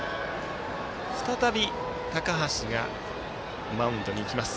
再び高橋がマウンドに行きます。